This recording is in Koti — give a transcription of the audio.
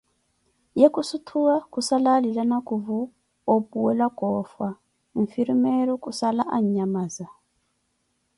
Ye khussutwa, khussala alila nakuuvu ophuwelakah ofea, nfirimeroh khussala an'nhamaza